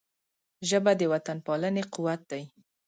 ژبه د وطنپالنې قوت دی